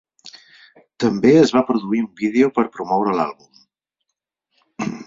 També es va produir un vídeo per promoure l'àlbum.